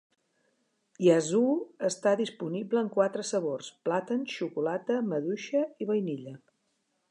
Yazoo està disponible en quatre sabors: plàtan, xocolata, maduixa i vainilla.